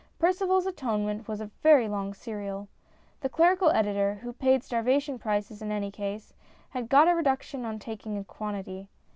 PercivaFs Atonement was a very long serial. The clerical editor, who paid starvation prices in any case, had got a reduction on taking a quantity.